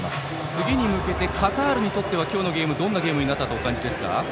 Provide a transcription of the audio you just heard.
次に向けてカタールにとっては今日のゲームどんなゲームになったとお感じですか？